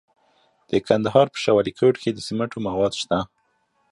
د کندهار په شاه ولیکوټ کې د سمنټو مواد شته.